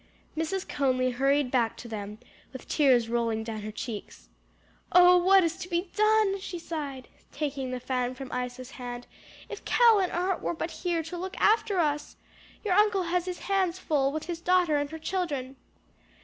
Mrs. Conly hurried back to them with tears rolling down her cheeks. "Oh what is to be done?" she sighed, taking the fan from Isa's hand. "If Cal and Art were but here to look after us! Your uncle has his hands full with his daughter and her children."